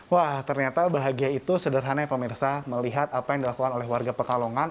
wah ternyata bahagia itu sederhana ya pemirsa melihat apa yang dilakukan oleh warga pekalongan